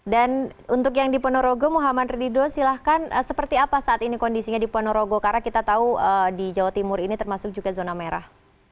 dan untuk yang di ponorogo muhammad ridul silahkan seperti apa saat ini kondisinya di ponorogo karena kita tahu di jawa timur ini termasuk juga zona merah